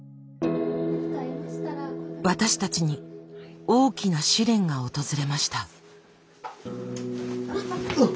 私たちに大きな試練が訪れました。